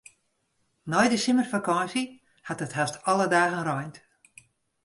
Nei de simmerfakânsje hat it hast alle dagen reind.